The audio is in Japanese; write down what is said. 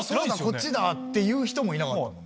「こっちだ」って言う人もいなかったもんね。